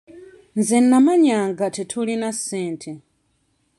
Nze nnamanya nga tetulina ssente.